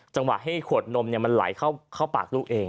จังหวะให้ขวดนมมันไหลเข้าปากลูกเอง